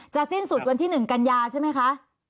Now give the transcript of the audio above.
สิ้นสุดวันที่๑กันยาใช่ไหมคะ